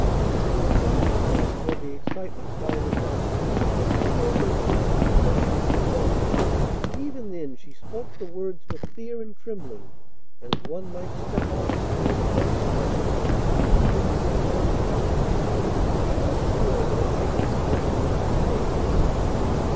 It was some time before the excitement quieted down and they gave her a chance to say she would go. Even then she spoke the words with fear and trembling as one might step off a commonplace threshold into a fairy palace, not sure but it might be stepping into space.